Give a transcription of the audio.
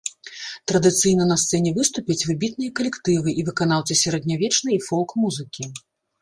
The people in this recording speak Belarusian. Традыцыйна на сцэне выступяць выбітныя калектывы і выканаўцы сярэднявечнай і фолк-музыкі.